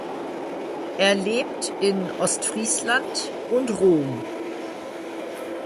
Er lebt in Ostfriesland und Rom.